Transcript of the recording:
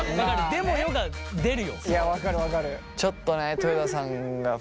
「でもよ」が出るよ。